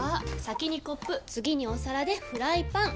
先にコップ次にお皿でフライパン！